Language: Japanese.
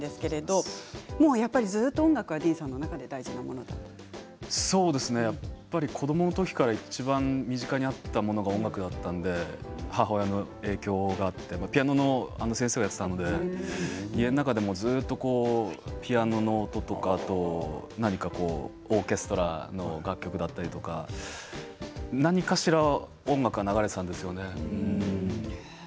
やっぱり音楽はディーンさんの中で子どもの時からいちばん身近にあったのが音楽だったので、母親の影響があってピアノの先生をやっていたので家の中でもずっとピアノの音とかオーケストラの楽曲とか何かしら音楽が流れていたんですね。